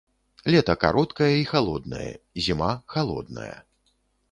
Лета кароткае і халоднае, зіма халодная.